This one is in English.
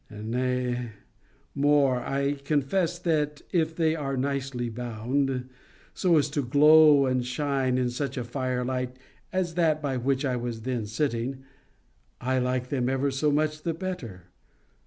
Nay, more: I confess that if they are nicely bound, so as to glow and shine in such a fire light as that by which I was then sitting, I like them ever so much the better.